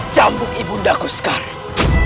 jambuk ibu undaku sekarang